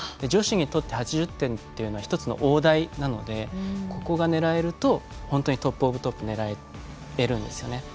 女子にとって８０点というのは１つの大台なのでここが狙えると本当にトップオブトップを狙えるんですよね。